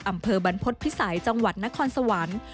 อำเภอบรรพฤษภิษัยจังหวัดนครสวรรค์